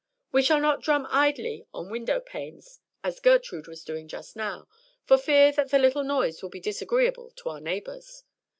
"We shall not drum idly on window panes, as Gertrude was doing just now, for fear that the little noise will be disagreeable to our neighbors."